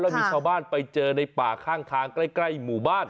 แล้วมีชาวบ้านไปเจอในป่าข้างทางใกล้หมู่บ้าน